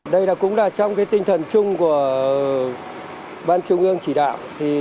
đây cũng là trong tinh thần chung của ban trung ương chỉ đạo